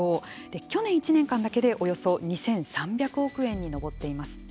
去年１年間だけでおよそ２３００億円に上っています。